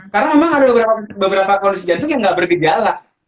karena memang ada beberapa kondisi jantung yang nggak bergijalah